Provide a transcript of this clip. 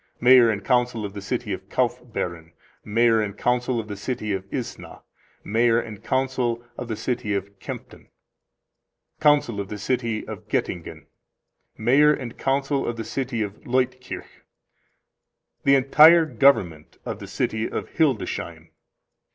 Mayor and Council of the City of Kaufbeuren. Mayor and Council of the City of Isna. Mayor and Council of the City of Kempten. Council of the City of Goettingen. Mayor and Council of the City of Leutkirch. The entire Government of the City of Hildesheim.